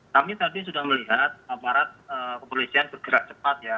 kami tadi sudah melihat aparat kepolisian bergerak cepat ya